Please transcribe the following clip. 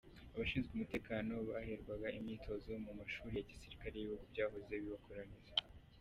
Abashinzwe umutekano baherwaga imyitozo mu mu mashuri ya gisirikare y’ibihugu byahoze bibakoloniza.